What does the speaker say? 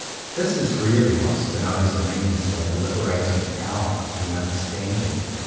This is really what Spinoza means by the liberating power of the understanding.